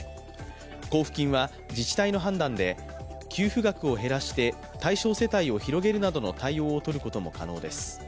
交付金は自治体の判断で給付額を減らして対象世帯を広げるなどの対応をとることも可能です。